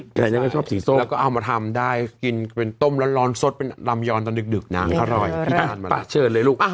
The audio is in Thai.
ใครแม้ชอบสีส้มแล้วก็เอามาทำได้กินเป็นต้มร้อนร้อนสดเป็นลัมยอนต้านึกอ๋า